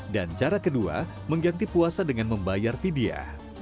dan cara kedua mengganti puasa dengan membayar vidya